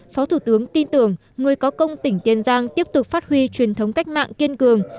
phó thủ tướng tin tưởng người có công tỉnh tiền giang tiếp tục phát huy truyền thống cách mạng kiên cường